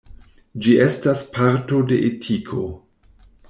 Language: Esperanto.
Ĝi estas parto de etiko.